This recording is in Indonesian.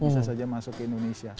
bisa saja masuk ke indonesia